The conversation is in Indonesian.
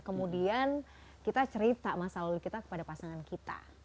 kemudian kita cerita masa lalu kita kepada pasangan kita